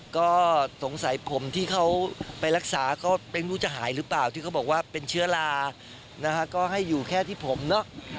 ก็สงสัยผมที่เขาไปรักษาก็ไม่รู้จะหายหรือเปล่าที่เขาบอกว่าเป็นเชื้อรานะฮะก็ให้อยู่แค่ที่ผมเนอะ